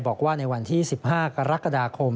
บอกว่าในวันที่๑๕กรกฎาคม